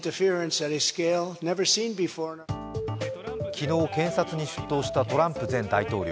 昨日警察に出頭したトランプ前大統領。